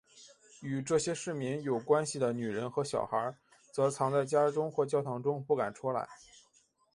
与这些市民有关系的女人和小孩则藏在家中或教堂中不敢出来。